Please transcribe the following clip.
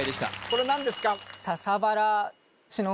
これ何ですか？